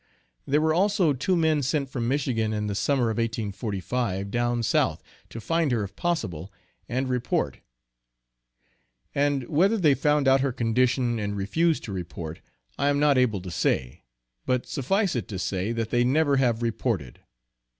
There were also two men sent from Michigan in the summer of 1845, down South, to find her if possible, and report and whether they found out her condition, and refused to report, I am not able to say but suffice it to say that they never have reported.